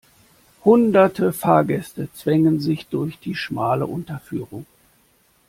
Hunderte Fahrgäste zwängen sich durch die schmale Unterführung.